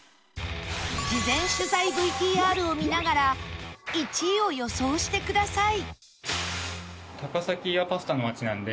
事前取材 ＶＴＲ を見ながら１位を予想してください